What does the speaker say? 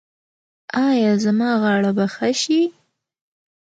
ایا زما غاړه به ښه شي؟